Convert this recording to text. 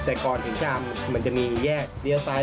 แต่ก่อนถึงชามมันจะมีแยกเลี้ยวซ้าย